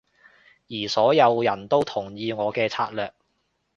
而所有人都同意我嘅策略